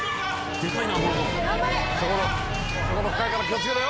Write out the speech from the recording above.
でかいな！